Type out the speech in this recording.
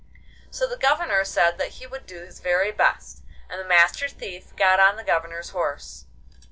So the Governor said that he would do his very best, and the Master Thief got on the Governor's horse.